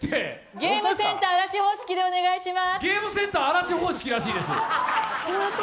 ゲームセンターあらし方式でお願いします。